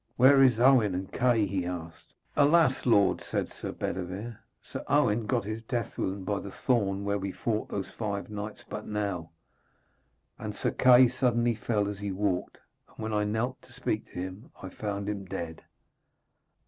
'Where is Owen, and Kay?' he asked. 'Alas, lord,' said Bedevere, 'Sir Owen got his death wound by the thorn where we fought those five knights but now, and Sir Kay suddenly fell as he walked. And when I knelt to speak to him, I found him dead.'